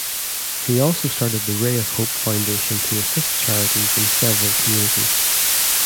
He also started the "Ray of Hope" Foundation to assist charities in several communities.